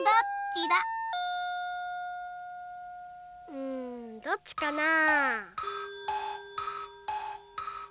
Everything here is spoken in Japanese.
うんどっちかなぁ？